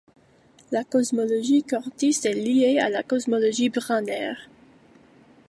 La cosmologie cordiste est liée à la cosmologie branaire.